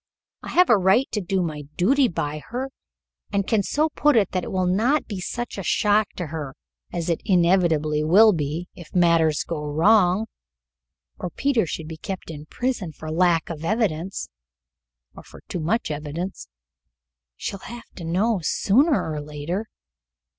I have a right to do my duty by her, and I can so put it that it will not be such a shock to her as it inevitably will be if matters go wrong, or Peter should be kept in prison for lack of evidence or for too much evidence. She'll have to know sooner or later."